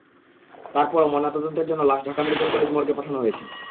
তার পরও ময়নাতদন্তের জন্য লাশ ঢাকা মেডিকেল কলেজ মর্গে পাঠানো হয়েছে।